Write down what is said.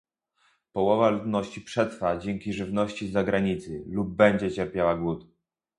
Połowa ludności przetrwa dzięki żywności z zagranicy lub będzie cierpiała głód